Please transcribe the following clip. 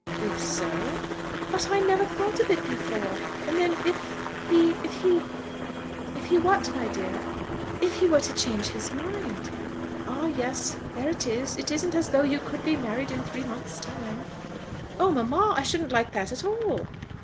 "If so " "But I never thought of it before; and then, if he, if he " "If he what, my dear?" "If he were to change his mind?" "Ah, yes; there it is. It isn't as though you could be married in three months' time." "Oh, mamma! I shouldn't like that at all."